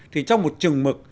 thì trong một chừng mực